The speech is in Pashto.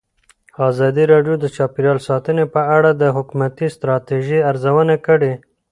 ازادي راډیو د چاپیریال ساتنه په اړه د حکومتي ستراتیژۍ ارزونه کړې.